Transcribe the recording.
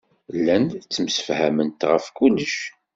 Llant ttemsefhament ɣef kullec.